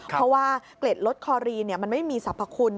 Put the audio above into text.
เพราะว่าเกล็ดลสคอรีนมันไม่มีสรรพคุณ